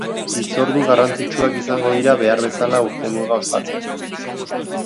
Hitzordu garrantzitsuak izango dira behar bezala urtemuga ospatzeko.